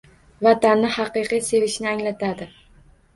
Vatanni haqiqiy sevishingni anglatadi.